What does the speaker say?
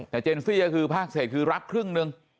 แต่เจนซี่ก็คือภาคเศษคือรับครึ่งหนึ่ง